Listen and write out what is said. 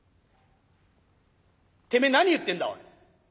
てめえ何言ってんだおい。